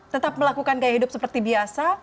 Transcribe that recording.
tetap melakukan gaya hidup seperti biasa